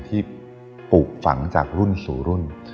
ปลูกฝังจากรุ่นสู่รุ่น